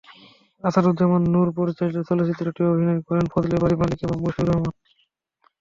আসাদুজ্জামান নূর পরিচালিত চলচ্চিত্রটিতে অভিনয় করেন ফজলে বারী মালিক এবং মশিউর রহমান।